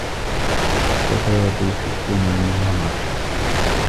الشباب يحبون المغامرة.